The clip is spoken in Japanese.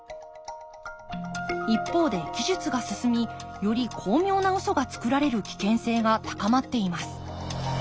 一方で技術が進みより巧妙なウソがつくられる危険性が高まっています。